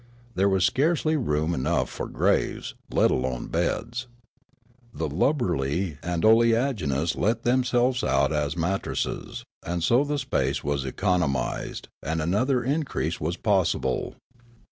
There was scarcely room enough for graves, let alone beds. The lubberly and oleaginous let themselves out as mattresses ; and so the space was economised, and another increase was pos sible.